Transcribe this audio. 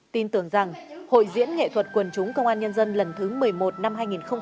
tin tưởng rằng hội diễn nghệ thuật quần chúng công an nhân dân lần thứ một mươi một năm hai nghìn hai mươi